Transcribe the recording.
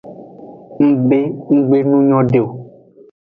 Ng be nggbe nu nyode o.